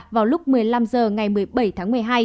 vào lúc một mươi năm h ngày một mươi bảy tháng một mươi hai